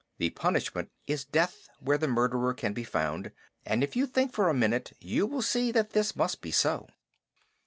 The punishment is death where the murderer can be found; and if you think for a minute you will see that this must be so.